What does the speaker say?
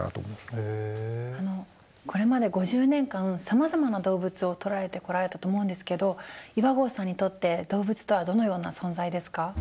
あのこれまで５０年間さまざまな動物を撮られてこられたと思うんですけど岩合さんにとって動物とはどのような存在ですか？